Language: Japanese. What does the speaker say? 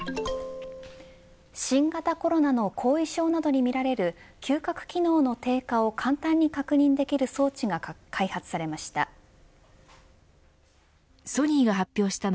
新型コロナの後遺症などにみられる嗅覚機能の低下を簡単に確認できる装置が開発されました。